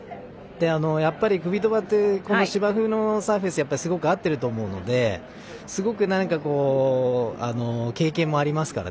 やっぱりクビトバって芝生のサーフェスがすごく合っていると思うので当然、経験もあります。